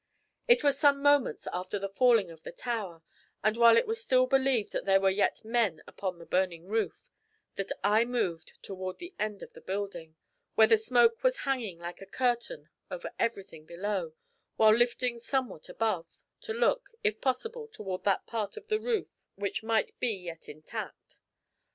It was some moments after the falling of the tower, and while it was still believed that there were yet men upon the burning roof, that I moved toward the end of the building, where the smoke was hanging like a curtain over everything below, while lifting somewhat above, to look, if possible, toward that part of the roof which might be yet intact.